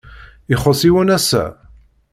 Ixuṣṣ yiwen ass-a?